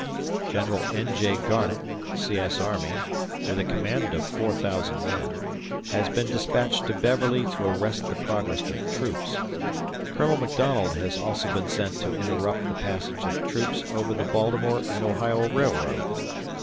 General N. J. Garnett, C. S. Army, with a command of 4000 men, has been dispatched to Beverly to arrest the progress of troops. ... Colonel McDonald has also been sent to interrupt the passage of troops over the Baltimore and Ohio Railroad.